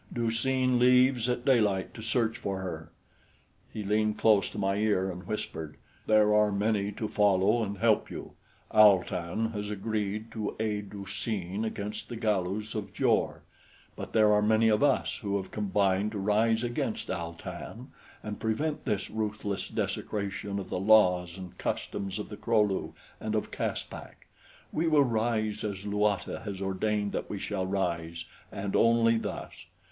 Du seen leaves at daylight to search for her." He leaned close to my ear and whispered: "There are many to follow and help you. Al tan has agreed to aid Du seen against the Galus of Jor; but there are many of us who have combined to rise against Al tan and prevent this ruthless desecration of the laws and customs of the Kro lu and of Caspak. We will rise as Luata has ordained that we shall rise, and only thus.